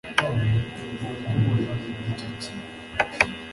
bumve uburemere bw'icyo kintu